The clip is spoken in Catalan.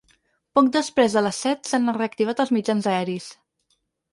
Poc després de les set s’han reactivat els mitjans aeris.